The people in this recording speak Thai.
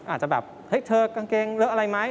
อาจจะแบบเฮ้ยเธอกางเกงเลอะอะไรไหม